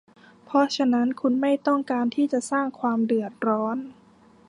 เพราะฉะนั้น คุณไม่ต้องการที่จะสร้างความเดือดร้อน